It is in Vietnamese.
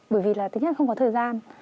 bởi vì là thứ nhất không có thời gian